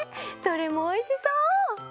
どれもおいしそう！